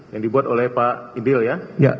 yang dibuat oleh pak idil ya